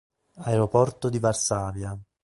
Aeroporto di Varsavia